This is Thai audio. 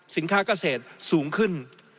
สินค้าเกษตรสูงขึ้น